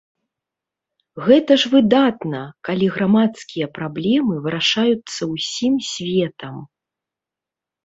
Гэта ж выдатна, калі грамадскія праблемы вырашаюцца ўсім светам!